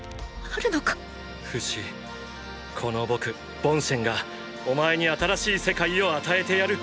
ーーフシこの僕ボンシェンがお前に新しい世界を与えてやる！